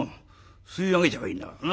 吸い上げちゃえばいいんだからな」。